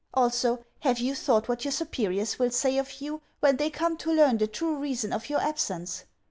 Also, have you thought what your superiors will say of you when they come to learn the true reason of your absence?